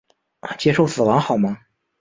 接受死亡好吗？